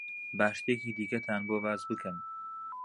با شتێکی دیکەتان بۆ باس بکەم.